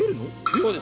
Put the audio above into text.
そうです。